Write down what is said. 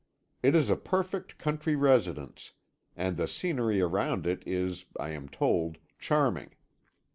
It is a perfect country residence, and the scenery around it is, I am told, charming.